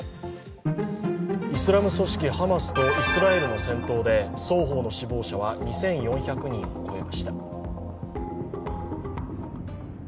イスラム組織ハマスとイスラエルの戦闘で双方の死亡者は２４００人を超えました。